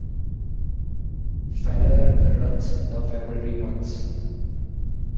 Feller runs the February months.